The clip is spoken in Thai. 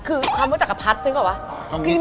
คือคำว่าจักรพัดคิดเขาแบบกว่า